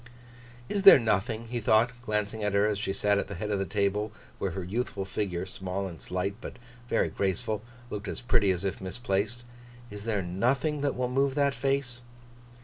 'Is there nothing,' he thought, glancing at her as she sat at the head of the table, where her youthful figure, small and slight, but very graceful, looked as pretty as it looked misplaced; 'is there nothing that will move that face?